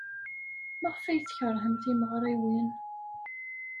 Maɣef ay tkeṛhem timeɣriwin?